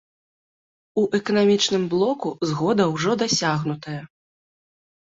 У эканамічным блоку згода ўжо дасягнутая.